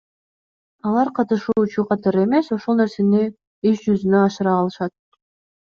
Алар катышуучу катары эмес, ошол нерсени иш жүзүнө ашыра алышат.